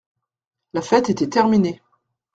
La fête était terminée.